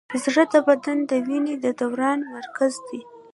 زړه د بدن د وینې د دوران مرکز دی.